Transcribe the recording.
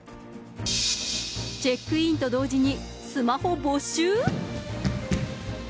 チェックインと同時にスマホ没収？